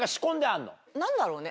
何だろうね？